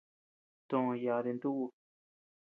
Too yadi ntu ku.